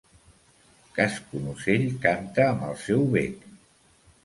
Cascun ocell canta amb el seu bec.